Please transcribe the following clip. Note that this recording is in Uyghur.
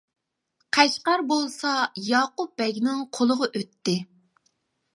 قەشقەر بولسا ياقۇپ بەگنىڭ قولىغا ئۆتتى.